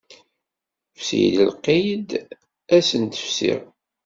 Fsi-yi lqid ad sent-fsiɣ.